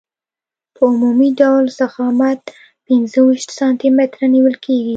په عمومي ډول ضخامت پنځه ویشت سانتي متره نیول کیږي